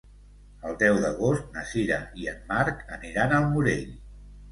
El deu d'agost na Sira i en Marc aniran al Morell.